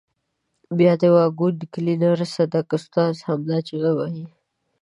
بیا د واګون کلینر صدک استاد همدا چیغې وهلې.